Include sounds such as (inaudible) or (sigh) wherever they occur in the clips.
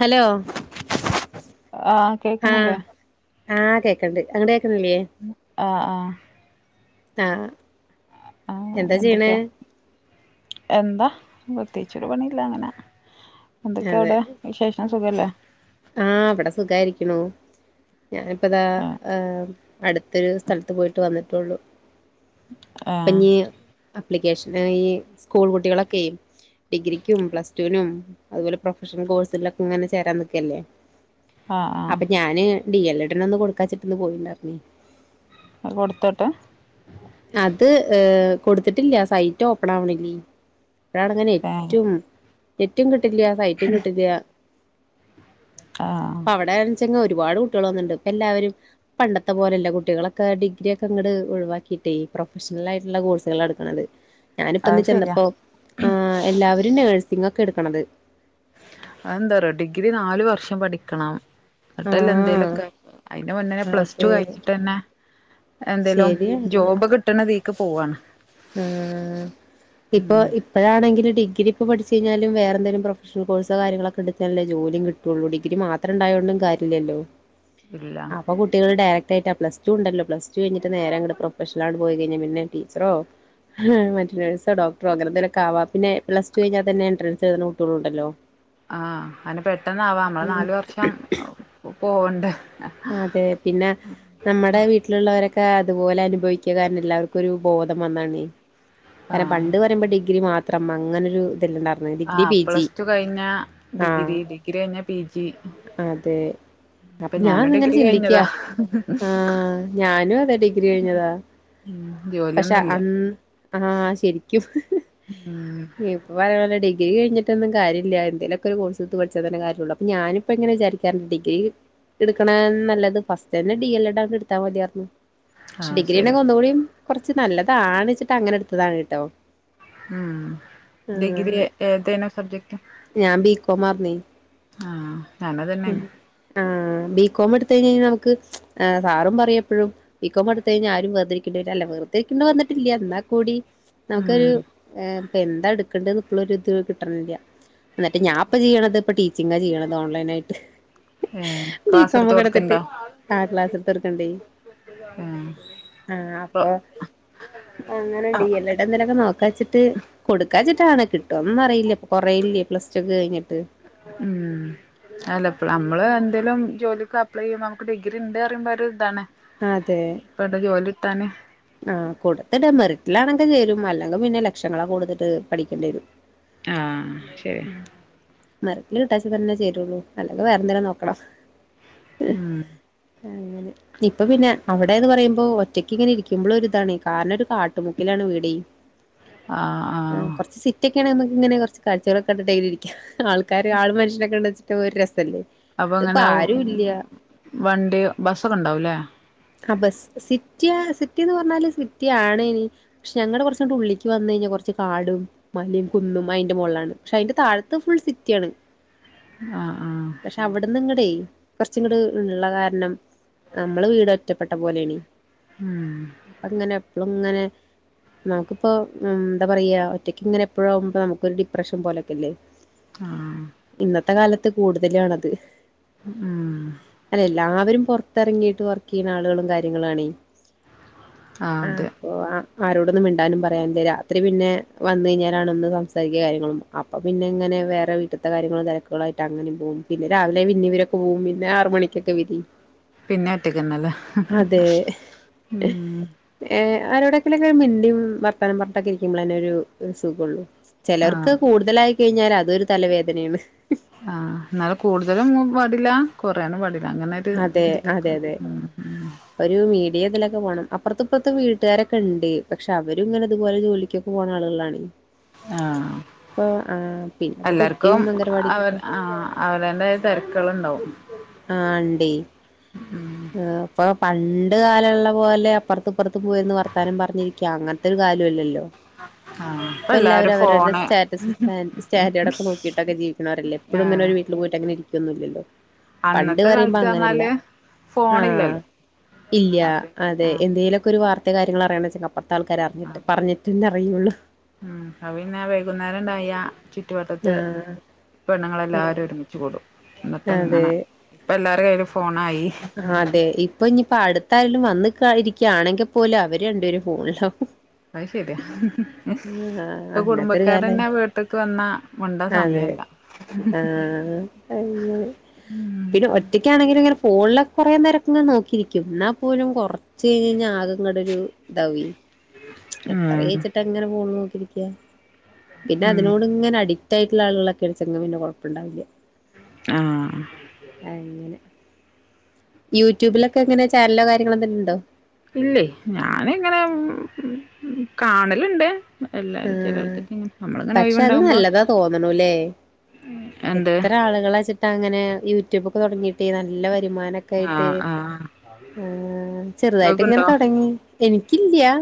Hello ആഹ് ആഹ് കേക്കണില്ലേ ആഹ് കേക്കണ്ട് അങ്ങനെ കേക്കുണില്ലേ ആ്ഹ് ആഹ് ആഹ് ആഹ് എന്താ ചെയ്യണേ എന്തൊക്കെയാ എന്താ പ്രത്യേകിച്ച് ഒരുപണില്ല അങ്ങനെ എന്തൊക്കെയ അതെ അവിടെ വിശേഷണം സുഖല്ലേ ആഹ് അവിടെ സുഖായിരിക്കണു ഞാനിപ്പതാ ആഹ് ഏ അടുത്തൊരു സ്ഥലത്ത് പോയിട്ട് വന്നിട്ടൊള്ളു ആഹ് അപ്ലിക്കേഷൻ ഈ സ്കൂൾ കുട്ടികളൊക്കെ ഡിഗ്രിക്കും പ്ലസ ടൂനും അതുപോലെ പ്രൊഷണൽ കോഴ്സുകളിലൊക്കെ ഇങ്ങെ ചേരാൻ ക്കല്ലേ ആഹ് ആഹ് അപ്പൊ ഞാന് ഡി എൽ എഡിന ഒന്നും കൊടുക്കാ ചിട്ടന്ന് പോയിണ്ടായിര്ന്നെ അത് കൊടുത്ത്ട്ട് അത് ഏ കൊടുത്തിട്ടില്ല സൈറ്റ് ഓപ്പൺ ആവണില്ലേ അതണങ്ങനെ ഏഹ് നെറ്റും നെറ്റുകിട്ടില്ല സൈറ്റും കിട്ടില്ല ആഹ് അപ്പൊ അവിടെന്ന് വെച്ചെങ്കിൽ ഒരുപാട് കുട്ടികൾ വന്നിണ്ട് ഇപ്പ എല്ലരും പണ്ടത്തെ പോലെയല്ല കുട്ടികളൊക്കെ ഡിഗ്രിയൊക്കെ ങട് ഒഴിവാക്കിട്ട് പ്രൊഫഷണൽ ആയിട്ടുള്ള കോഴ്സുകൾ എടുക്കണത് ഞാനിപ്പ അത് ഇന്ന് ശരിയാ ചെന്നപ്പോ ആ എല്ലാവരും നേഴ്സിംഗ ഒക്കെ എടുക്കണത് അത് എന്താറിയൊ ഡിഗ്രി നാലല് വർഷം പഠിക്ക കണം ആ എന്നിട്ടല്ല എന്തേലും അതിന്റെ മുന്നെ പ്ലസ് ടു അതെ കഴിഞ്ഞിട്ട ന്നെ എന്തേലും ശരിയാണ് ജോബ് കിട്ടണതീക്ക് പോവാണ് ഉം ഉം ഇപ്പൊ അഴണെങ്കിൽ ഡിഗ്രി ഇപ്പോ പഠിച്ചു കിഞ്ഞാലും വേറെന്തങ്കിലുംപ്രൊഫഷണൽ കോഴ്സൊ കാര്യങ്ങളൊക്കെ എടുത്താൽ ജോലിയും കിട്ടും ട്ടൊള്ളു ഡിഗ്രി മാത്രം ഉണ്ടായതോണ്ടും കാര്യല്ലല്ലോ ഇല്ല അപ്പൊ കുട്ടികൾ ഡയറക്റ്റ് ആയിട്ട് പ്ലസ് ടു ഉണ്ടല്ലോ പ്ലസ് ടു കഴിഞ്ഞിട്ട് നേര ഇ പ്രൊഫഷൽ ആണ് പോയി കഴിഞ്ഞ പിന്നെ ടീച്ചറോ മറ്റേ നഴ്സോ ഡോക്ട പ്രോഗ്രം തിക്ക ആവാ പ പിന്നെ പ്ലസ് ടു കിഞ്ഞാൽ തന്ന എൻ്രൻസ്ഴുതുന്ന കുട്ടികളുണ്ടല്ലോ ആഹ് അന് പെട്ടെന്നാവാ നമ്മളെ നാാല വർഷം പോവണ്ടെ അതെ പിന്നെ നമ്മുടെ വീട്ടിലുള്ളവരൊക്കെ അതുപോലെ അനുഭവിക്കുക കാരണം എല്ലാവർക്കൊരു ബോധം വന്നാണ് കാരണം ആഹ് പണ്ട് പറയുമ്പോ ഡിഗ്രി മാത്രം അങ്ങനെ ഒരു ഇതല്ലാംണ്ട ഡിഗ്രി ആഹ് പിജി പ്ലസ് ടു കഴിഞ്ഞ ആ ഡിഗ്രി ഡിഗ്രി കഴിഞ്ഞ പി ജി അതെ ഇപ്പൊ അപ്പൊ ഞാനും ഞാൻന്നിങ്ങനെ ഡിഗ്രി ചിന്തിക്കയാ കഴിഞ്ഞതാ ആഹ ഞാനും അതെ ഡിഗ്രി കഴിഞ്ഞതാ ഉം പക്ഷെ ജോലിയൊന്നുല്ല അന്ന് ആ ശരിക്കും ഉം വല്ല ഡിഗ്രി കഴിഞ്ഞിട്ടൊന്നും കാര്യല്ല എന്തെങ്കിലൊക്കെ ഒരു കോഴ്സ്ട്ത്ത് പഠിച്ചാത്തന്നെ കാര്യള്ളൂ അപ്പൊ. ഞാനും ഇപ്പ എങ്ങനെചാരിക്കാറണ്ട് ഡിഗ്രി എടുക്കണെ നല്ലത് ഫസ്റ്റ്റ്റന്നെ ഡി എൽ എഡ് എടുത്താൽ മതിയായിരുന്നു പക്ഷെ ആഹ് ഡിഗ്രി ശരിയാ നെഒന്നു കൂടീം കുറച്ച് നല്ലത് ആണിച്ചിട്ട് അങ്ങനെ എടുത്തതാണ്‌ട്ടോ ഉം ഡിഗ്രി ഏതെനു സബ്ജെക്ട് ഞാൻ ബികോം ആർനി ആഹ് ഞാനാതന്നെആണ് ആഹ് ബികോം എടുത്തഴിഞ്ഞാ നമുക്ക് ആ സാറും പറയപ്പോഴും ബികോം എടുത്ത് കഴിഞ്ഞാ ആരും വേർതിരിക്കേണ്ടി വരില്ല (unintelligible) ത്തക്ക്ണ വന്നിട്ടില്ല എന്നാൽ കൂടി നമുക് ഉം ഇപ്പൊ എന്താ എടുക്കേണ്ടന്ന് ഇപ്പോളൊരു ഇത് കിട്ടണില്ല എന്നിട്ട് ഞാൻപ്പ ചെയ്യണത്പ്പോ ടി - ച്ചിങ് ചെയ്യണത് ഓൺലൈൻ ആയിട്ട് ഏഹ് ക്ലാസ് എടുത്ത് ബികോമോക്കെ എടുത്തിട്ട് കൊടുക്കണ്ടോ ആ ക്ലാസ് എടുത്ത്ടുക്കണ്ടേ ഏഹ് ആ ഇപ്പൊ അപ്പൊ അങ്ങനെ ഡി എൽ എഡ എന്തേലൊക്കെ നോക്കാച്ചിട്ട് കൊടുക്കാച്ചിട്ടാണ് കിട്ടോന്ന് അറിയില്ല കുറേയില്ലേ പ്ലസ് റ്റുക്കെ കഴിഞ്ഞിട്ട് ഉം അല്ല ഇപ്പ നമ്മള് എന്തെങ്ലും ജോലിക് അപ്ലൈ ചെയ്യ്പോ നമുക്ക് ഡിഗ്രി ഉണ്ട് പറയുമ്പോ ഒരു ഇതാണ് അതെ പ്പത് ജോലി കിട്ടാൻ ആ കൊടുത്തിടാ മെറിറ്റിലാണെങ്കിൽ ചേരും അല്ലെങ്കിൽ പിന്നെ ലക്ഷങ്ങളൊക്കെ കൊടുത്തിട്ട് പഠിക്കേണ്ടി വരും ആഹ് ശരി (inaudible) മെറിറ്റിൽ കിട്ടാച്ച തന്നെ ചേരുള്ളൂ അല്ലെങ്കി വേറെന്തെലും നോക്കണം ആഹ് അങ്ങനെ -ഇപ്പൊ പിന്നെ അവിടെ എന്ന് പറയുമ്പോ ഒറ്റക്ക് ഇങ്ങനെ ഇരിക്കുമ്പോൾ ഒരു ഇതാണ് കാരണരൂ കാട - കാട്ടുമുക്കിലാണ് വീടെ ആഹ് ആഹ് സിറ്റി ഒക്കെ ആണ്ന്ന്ങ്ങനെ കൊറച് കാഴ്ചകളൊക്കെ കണ്ടി ട്ടങ്ങനെ അയില് ഇരിക്കാ ആൾക്കാര് ആൾ മനഷ്യനൊക്കെ ള്ളച്ച നൊ‌ ഒരു രസല്ലേ അപ്പൊ ഇതിപ്പോ അങ്ങനെ ആരും ഇല്ല വണ്ടി ബസ്സൊക്കെ ഉണ്ടാവൂല്ലേ ആ ബസ് സിറ്റിയാ സിറ്റിന്ന് പറഞ്ഞാല് സിറ്റി ആണെയിനി ക്ഷെ ങ്ങനെ കുറച്ചു ഉള്ളിക്ക് വന്ന കഴിഞ്ഞാൽ കുറച്ച് കാടും മലിം കുന്നും അയിന്റെ മോളിലാണ് പക്ഷെ അതിന്റെ താഴത്ത് ഫുൾ സിറ്റിയാണ് ആഹ് ആഹ് പക്ഷെ അവിടുന്ന് ഇങ്ങടെ കൊറച്ച്ങ്ങട്ട് ള്ള കാരണം നമ്മള് വീട് ഒറ്റപ്പെട്ട പോലേആണ് ഉം അങ്ങനെ എപ്പളും ഇങ്ങനെ നമുക്കിപ്പോ എന്താ പറയാ ഒറ്റയ്ക്ക് ഇങ്ങനെ എപ്പോഴാകുമ്പോ നമുക്കൊരു ഡിപ്രഷൻ പോലൊക്കെല്ലേ ആഹ് ഇന്നത്തെ കാലത്ത് കൂടുതലു ആണത് ഉം അല്ല എല്ലാവരും പൊറത്തിറങ്ങിട്ട് വർക്ക് ചെയ്യണ ആളുകളും കാര്യങ്ങളാണയ് ആഹ് ആ അതെ പോവാ ആരോടൊന്നും മിണ്ടാനും പറയാനില്ല രാത്രി പിന്നെ വന്ന കഴിഞ്ഞാലാണ് ഒന്ന് സംസാരിക കാര്യങ്ങളും അപ്പൊ പിന്നെ ഇങ്ങനെ വേറെ വീട്ടത്തെ കാര്യങ്ങളും തിരക്കുകളുആയിട്ട് അങ്ങനിം പോവും പിന്നെ രാവിലെ പിന്നിംവര് പോവും പിന്നെ ആറ് മണി ഒക്കെ വിധി പിന്നെ ഒറ്റക്കനല്ലേ ഉം ഏ ആരോടൊക്കിലൊക്കെ ഒരു മിണ്ടിയും വർത്തനം പറത്തൊക്കെ ഇരിക്കുമ്പോളൊക്കെന്നെ ഒരു സുഖഉള്ളൂ ചിലർക്ക് ആഹ് അത് കൂടുതലായി കഴിഞ്ഞാൽ അതൊരു തലവേദനയാണ് ആഹ ന്നാലും കൂടുതലും പാടില്ല കൊറയാനുംപടില്ല അങ്ങനെ ഒരു അതെ ഇതിലിക്ക അതെ അതെ ഒരു മീഡിയ ഇതിലൊക്കെ പോകണം അപ്പറത്തും ഇപ്പറത്തും വീട്ടുകാരൊക്കെ ഉണ്ട് പക്ഷെ അവര് ഇങ്ങനെ ഇതുപോലെന്നെ വിളിക്കും ജോലിക്ക് പോകുന്ന ആളുകളാണ് ആ ഇപ്പൊ ആഹ് പിന്നെപ്പോ എല്ലാർക്കും കുട്ടിയും അവ അംഗൻവാടിക്കൊക്കെ ആ അവനാന്റെ തിരക്കളുണ്ടാാവും ആ ഇണ്ടയ് ഉം ഇപ്പൊ പണ്ട് കാലൊള്ള പോലെ അപ്പറത്തിപ്പറത്ത് പോയിരുന്ന് വർത്താനം പറഞ്ഞിരിക്കാ അങ്ങനത്തെ ഒരു കാലല്ലല്ലോ ആ ഇപ്പൊ എല്ലാവരും അവരുടെ സ്റ്റാറ്റസ് സ്‌റ്റാൻഡേർഡൊക്ക നോക്കിയിട്ടൊക്കെ ജീവിക്കണോരല്ലേ എപ്പോഴൂങ്ങനെ ആഹ് ഒരു വീട്ടിൽ പോയിട്ട് എങ്ങനെരിക്കും ന്നല്ലോ പണ്ട് അന്നത്തെ പറയുമ്പോ കാലത്ത് പറഞ്ഞാല് അങ്ങനല്ലാ ആ ഫോണില്ലല്ലോ ഇല്യാ അപ്പ അതെ ആഹ് എന്തേലൊക്കെ ഒരു വാർത്ത മത്തെ കാര്യങ്ങള് (unintelligible) അപ്പത്തെ ആൾക്കാര് ആ അറിഞ്ഞിട്ട് പറഞ്ഞിട്ട് അറിയോള്ളൂ ഉം (unintelligible) വൈകുന്നേരം ഇണ്ടായാ ചുറ്റുവട്ടത്ത് ആഹ് പെണ്ണുങ്ങളെല്ലാരും ഒരുമിച്ചുകൂടും (unintelligible) അതെ ഇങ്ങനെ ഇപ്പ എല്ലാരുടേം കയ്യില് ഫോണായി അതെ ഇപ്പൊ ഇനിയിപ്പോ അടുത്തായാലും വന്നിക്ക് ഇരിക്കയാണെങ്കി പോലും അവര് രണ്ടേരും ഫോണിലാവും അത് ശരിയാ ആഹ് ഇപ്പൊ അങ്ങനത്തൊരു കാല കുടുംബക്കാരന്നെ വീട്ടിക്ക് വന്നാ മിണ്ടാൻ സമയില്ലാ ആ (unintelligible) പിന്നെ ഒറ്റക്കാണെങ്കിലും ഇങ്ങനെ ഫോണിലൊക്കെ കൊറേ നേരം നോക്കിയിരിക്കും എന്നാൽ പോലും കൊറച്ച് കഴിഞ്ഞാ ആകിങ്ങടൊരു (unintelligible) ഉം എത്രേച്ചിട്ടാ ഇങ്ങനെ ഫോൺ നോക്കിരിക്കാ പിന്നെ ഉം അതിനോട് ഇങ്ങനെ അടി ടിക്റ്റായിട്ടുള്ള ആളുകളൊക്കെ (unintelligible) പിന്നെ കൊഴപ്പൂണ്ടാവില്ലാ ആഹ് അങ്ങനെ യൂട്യൂബിലൊക്കെ അങ്ങനെ ചാനലോ കാര്യങ്ങളോ എന്തേലും ഉണ്ടോ ഇല്ലേ ഞാനങ്ങനെ കാണലിണ്ട് ആ പക്ഷെ അത് ഒഴിവുണ്ടാകുമ്പോ നല്ലതാ തോന്നണൂല്ലേ എന്ത് എത്ര ആളുകളാ വെച്ചിട്ട് അങ്ങനെ യൂട്യൂബൊക്കെ തൊടങ്ങീട്ട് നല്ല വരുമാനൊ യിട്ട് ആഹ് ആഹ് ആ ചെറുതായിട്ട് ഇങ്ങനെ ഇങ്ങക്കുണ്ടോ തൊടങ്ങി എനിക്കില്ലാ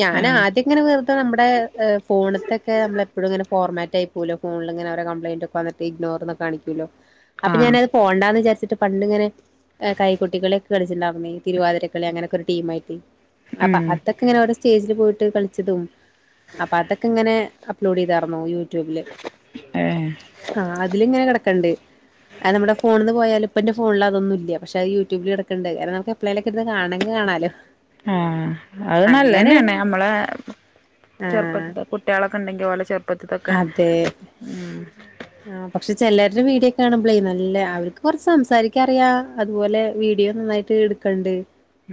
ഞാൻ ഏഹ് ആദ്യം ഇങ്ങനെ വെറുതെ നമ്മുടെ ഫോണിത്തൊക്കെ നമ്മളെപ്പോഴും ഇങ്ങനെ ഫോർമാറ്റായി പോവൂലോ ഫോണിലിങ്ങനെ ഓരോ കംപ്ലയിൻറ് ഒക്കെന്നിട്ട് ഇഗ്നോർന്ന് കാണിക്കും അപ്പൊ ആഹ് ഞാനത് പോവണ്ടാന്ന് വിചാരിച്ചിട്ട് പണ്ടിങ്ങനെ കൈകൊട്ടികളി ഒക്കെ കളിച്ചിട്ടുണ്ടാവുന്നേ തിരുവാതിരക്കളി അങ്ങനൊക്കെ ഒരു ടീമായിട്ട് അപ്പൊ ഉം അതൊക്കെ ഇങ്ങനെവിടെ സ്റ്റേജില് പോയിട്ട് കളിച്ചതും അപ്പൊ അതൊക്കെ ഇങ്ങനെ അപ്‌ലോഡ് ചെയ്തായിരുന്നു യൂട്യൂബില് ഏഹ് ആ അതിലിങ്ങനെ കെടക്കണിണ്ട് അത് നമ്മുടെ ഫോണീന്ന് പോയാലും ഇപ്പ എന്റെ ഫോണില് അതൊന്നൂല്ലാ പക്ഷെ അത് യൂട്യൂബില് കിടക്കണ്ട് കാരണം നമ എപ്പളേലൊക്കെ (unintelligible) കാണെങ്കി കാണാലോ ആ അത് അങ്ങനെ നല്ലതന്നെയാണ് നമ്മളെ ആഹ് ചെറുപ്പത്തി കുട്ടികളൊക്കെ ഒണ്ടെങ്കി ഓലെ ചെറുപ്പത്തിത്തൊക്കെ ഉം ആ പക്ഷെ ചെലരുടെ വീഡിയൊ കാണുമ്പളേ നല്ല അവർക്ക് കൊറച്ച് സംസാരിക്ക ക്കറിയാ അതുപോലെ വീഡിയോ നന്നായിട്ട് എടുക്കണ്ട്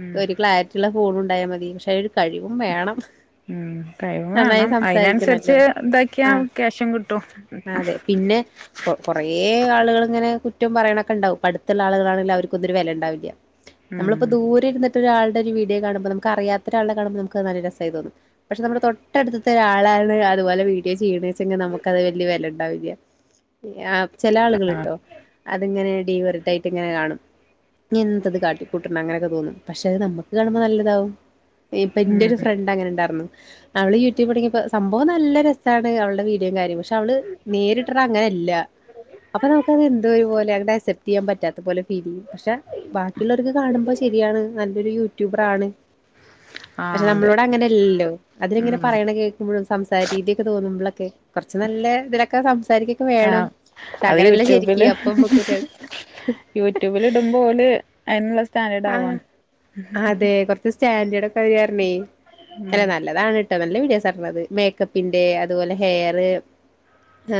ഉം ക്ലാരിറ്റി മറ്റുള്ള ഫോണുണ്ടായാ മതി പക്ഷെ അതിനൊരു കഴിവും വേണം ഉം കഴിവും നന്നായി വേണം അതിനനുസരിച്ച് സംസാരിക്കണല്ലോ ഇതാക്കിയാ ആഹ് ക്യാഷും കിട്ടും അതെ പിന്നെ കൊ കൊറേ ആളുകളിങ്ങനെ കുറ്റം പറയണൊക്കെ ഇണ്ടാവും അടുത്തുള്ള ആളുകളാണെങ്കി അവർക്കൊന്നും ഒരു വെലേം ഇണ്ടാവില്ലാ ഉം നമ്മളിപ്പോ ദൂരേ ഇരന്നിട്ട് ഒരാളുടെ ഒരു വീഡിയോ കാണുമ്പോ നമുക്കറിയാത്ത ഒരാളുടെ കാണുമ്പോ നമുക്ക് നല്ല രസായി തോന്നും പക്ഷെ നമ്മുടെ തൊട്ടടുത്ത ഒരാളാണ് അതുപലെ വീഡിയോ ചെയ്യണേച്ചാ നമുക്ക് അത് വലിയ വെല ഇണ്ടാവില്ലാ ആഹ് ചെല ആളുകളിട്ടോ അതിങ്ങനെ ഡീവെറിട്ടായിട്ട് ഇങ്ങനെ കാണും എന്തത് കാട്ടിക്കൂട്ടണേ അങ്ങനൊക്കെ തോന്നും പക്ഷെ നമുക്ക് കാണുമ്പോ നല്ലതാവും ഇപ്പൊ എന്റെ ഉം ഒരു ഫ്രണ്ട് അങ്ങനെ ഇണ്ടാരുന്നു അവള് യൂട്യൂബ് തൊടങ്ങിയപ്പ ഇപ്പോ നല്ല രസാണ് അവളുടെ വീഡിയോയും കാര്യം പക്ഷെ അവള് നേരിട്ട് അങ്ങനെയല്ലാ അപ്പൊ നമുക്കത് എന്തോ ഒരു പോലെ (unintelligible) ആക്സെപ്റ്റ് ചെയ്യൻ പറ്റാത്ത പോലെ ഫീൽ ചെയ്യും പക്ഷെ ബാക്കിയുള്ളവർക്ക് കാണുമ്പോ ശരിയാണ് നല്ലൊരു യൂട്യൂബർ ആണ് പക്ഷെ ആഹ് അതെ നമ്മളോട് അങ്ങനെയല്ലല്ലോ അതിലിങ്ങനെ ഉം പറയണ കേക്കുമ്പോഴും സംസാര രീതിയൊക്കെ തോന്നുമ്പോളൊക്കെ കുറച്ച് നല്ല ഇതിലൊക്കെ സം സംസാരിക്കൊക്കെ വേണം ആഹ് പക്ഷെ അത് അങ്ങനല്ല ശരിക്ക് യൂട്യൂബില് അപ്പം അമ്മക്കൊര യൂട്യൂബിൽ (unintelligible) അതിനുള്ള സ്റ്റാൻഡേർഡ് ആവുവാണ് അതെ കുറച്ച് സ്റ്റാൻഡേഡ്ക്കെ (unintelligible) ഉം അല്ല നല്ലതാണ് നല്ല വീഡിയോസാർന്നത് മേക്കപ്പിന്റെ അതുപോലെ ഹെയർ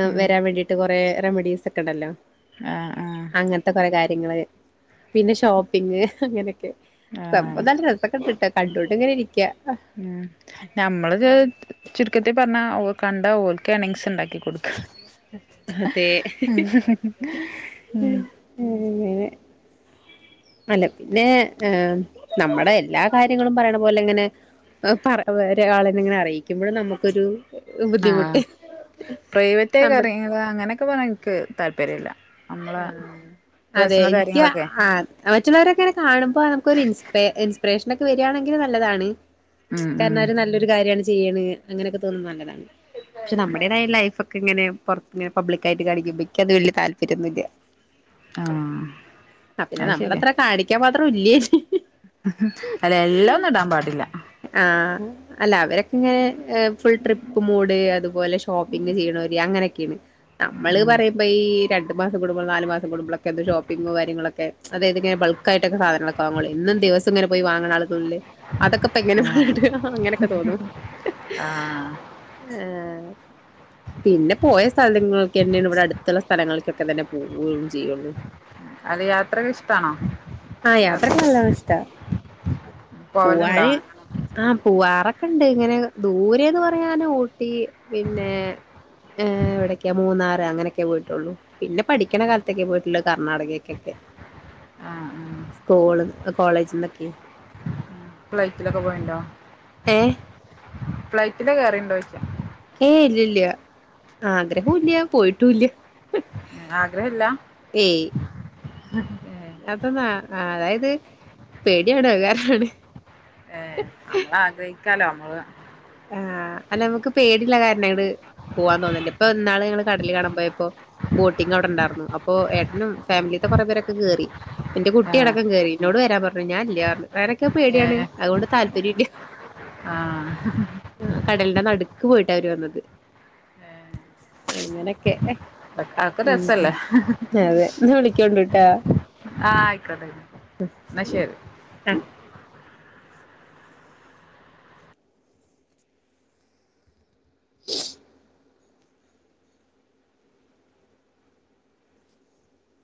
ഉം വരാൻ വേണ്ടി കൊറേ റെമഡീസ് ഒക്കെ ഉണ്ടല്ലോ ആഹ് ആഹ് അങ്ങനത്തെ കൊറെ കാര്യങ്ങള് പിന്നെ ഷോപ്പിങ് അങ്ങനൊക്കെ സംഭവം ആഹ് നല്ല രസക്കെ ഇണ്ട്ട്ടാ കണ്ടോണ്ട് ഇങ്ങനെ ഇരിക്കാ ഉം നമ്മള് ചുരുക്കത്തിൽ പറഞ്ഞാ (unintelligible) കണ്ടാ ഓൽക്ക് എണിങ്സ് ഉണ്ടാക്കി കൊടുക്കാ അതെ (unintelligible) (unintelligible) അല്ലെ പിന്നെ ഏഹ് നമ്മുടെ എല്ലാ കാര്യങ്ങളും പറയണ പോലെ അങ്ങനെ (unintelligible) ഒരാളെ ഇങ്ങനെ അറിയിക്കുമ്പോഴും നമുക്കൊരു ആഹ് ബുദ്ധിമുട്ട് പ്രൈവറ്റായി ക നമ്മ (unintelligible) അങ്ങനെയൊക്കെ പറയാൻ എനിക്ക് താല്പര്യമില്ല ആഹ് അതെ എനിക്ക് ആ മറ്റുള്ളവരങ്ങനെ കാണുമ്പോ നമുക്ക് ഇൻസ്പെ ഇൻസ്പിറേഷൻ ഒക്കെ വരികയാണെങ്കിൽ നല്ലതാണ് ഉം ഉം കാരണം അവര് നല്ലൊരു കാര്യാണ് ചെയ്യണ് അങ്ങനെയൊക്കെ തോന്നുന്നത് നല്ലതാണ് പക്ഷെ നമ്മുടേതായ ലൈഫ് ഒക്കെ ഇങ്ങനെ പൊറ ഇങ്ങനെ പബ്ലിക്കായിട്ട് കാണിക്കുമ്പോയ്ക്ക് അത് വലിയ താല്പര്യൊന്നില്ല ആഹ് ആഹ് പിന്നെ അത് നമ്മള് ശരിയാ അത്ര കാണിക്കാൻ മാത്രം ഇല്ലേ അല്ല എല്ലാം ഒന്നും ഇടാൻ പാടില്ല ആഹ് അല്ല അവരൊക്കെ ഇങ്ങനെ ഫുൾ ട്രിപ്പ് മൂഡ് അതുപോലെ ഷോപ്പിങ് ചെയ്യണോര് അങ്ങനെയൊക്കെയാണ് നമ്മള് ഉം പറയുമ്പോ ഈ രണ്ട് മാസം കൂടുമ്പോ നാല് മാസം കൂമ്പോളൊക്കെ എന്ത് ഷോപ്പിംഗും കാര്യങ്ങളൊക്കെ അതായത് ഇങ്ങനെ ബൾക്കായിട്ടൊക്കു സാധനങ്ങള എന്നും ദിവസം ഇങ്ങനെ പോയി വാങ്ങണ അതൊക്കെ ഇപ്പ എങ്ങനെ ആഹ് അങ്ങനൊക്കെ തോന്നും ആഹ് ആഹ് പിന്നെ പോയ സ്ഥലങ്ങൾക്കെന്നെയാണ് ഇവിടെ അടുത്തുള്ള സ്ഥലങ്ങൾക്കൊക്കെ തന്നെ പോവുകയും ചെയ്യുള്ളു യാത്ര ഇഷ്ടാ ആഹ് യാത്രയൊക്കെ നല്ലോണം ഇഷ്ടാ പോവലുണ്ടോ പൂവാന് ആഹ് പൂവാറൊക്കെ ഉണ്ട് ഇങ്ങനെ ദൂരെന്ന് പറയാന് ഊട്ടി പിന്നെ ഇവിടക്കെയാ മൂന്നാറ് അങ്ങനെയൊക്കെ പോ (unintelligible) പിന്നെ പഠിക്കണ കാലത്തൊക്കെ പോയിട്ടുള്ള് കർണാടകക്കൊക്കെ ആഹ് ഉം സ്കൂൾ കോളേജീന്നൊക്കെ ഫ്ലൈറ്റിലൊക്കെ പോയിണ്ടോ ഏഹ് ഫ്ലൈറ്റില് കേറിണ്ടോയ്ച്ചയാ ഏയ് ഇല്ലില്ല ആഗ്രഹോം ഇല്ല പോയിട്ടുംല്യ ഉം ആഗ്രഹമില്ല ഏയ് (unintelligible) അത് നാ അഹ് അതായത് പേടിയാണ് അഹ് കാരണാണ് ഏഹ് നമ്മളാഗ്രഹിക്കാലോ അമ്മള് ആഹ് അല്ല അമക്ക് പേടിള്ള കാരണം അങ്ങട് പോവാൻ തോന്നില്ല ഇപ്പൊ ഇന്നാള് ങ്ങള് കടല് കാണാമ്പോയപ്പോ ബോട്ടിംഗ് അവിടെണ്ടാർന്നു അപ്പൊ ഏട്ടനും ഫാമിലിത്തെ കൊറേ പേരൊക്കെ കേറി ഇന്റെ കുട്ടി ഏഹ് അടക്കം കേറി ഇന്നോട് വരാൻ പറഞ്ഞു ഞാൻ ഇല്ല്യാറഞ്ഞു (unintelligible) നക്ക് അഹ് പേടിയാണ് ഏഹ് അതുകൊണ്ട് താല്പര്യല്ല്യ ആഹ് ആഹ് കടലിന്റെ നടുക്ക് പോയിട്ടാ അവര് വന്നത് അങ്ങനൊക്കെ അതൊക്കെ രസല്ലേ അതെ ന്നാവിളിക്കണ്ട്ട്ടോ ആഹ് ആയ്ക്കോട്ടയ്ക്കോട്ടെ അഹ് ന്നാശെരി (inaudible)